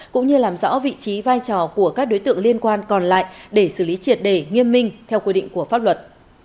cũng như làm rõ vị trí vai trò của các đối tượng liên quan còn lại để xử lý triệt đề nghiêm minh theo quy định của pháp luật